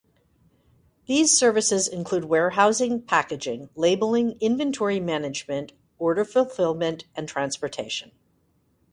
These services include warehousing, packaging, labeling, inventory management, order fulfillment, and transportation.